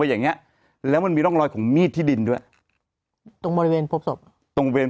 อย่างเงี้ยแล้วมันมีร่องรอยของมีดที่ดินด้วยตรงบริเวณพบศพตรงเวร